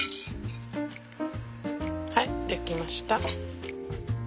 はい出来ました。